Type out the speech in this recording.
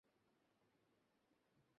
Sir বোমা নিষ্ক্রিয় করে ফেলা হয়েছে।